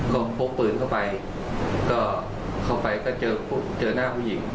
ก็พกปืนเข้าไปก็เข้าไปก็เจอเจอหน้าผู้หญิง